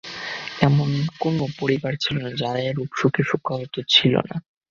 এমন কোন পরিবার ছিল না, যারা এরূপ শোকে শোকাহত ছিল না।